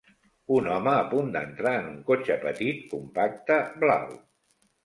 Un home a punt d'entrar en un cotxe petit compacte blau.